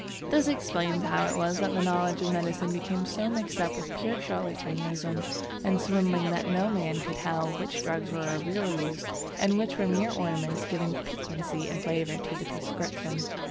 This explains how it was that the knowledge of medicine became so mixed up with pure charlatanism and swindling that no man could tell which drugs were of real use and which were mere ornaments giving piquancy and flavour to the prescription.